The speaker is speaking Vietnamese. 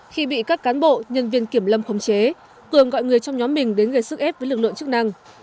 khi bị các cán bộ nhân viên kiểm lâm khống chế cường gọi người trong nhóm mình đến gây sức ép với lực lượng chức năng